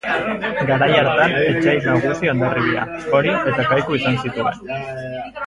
Garai hartan etsai nagusi Hondarribia, Orio eta Kaiku izan zituen.